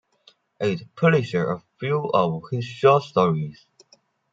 It publisher a few of her short stories.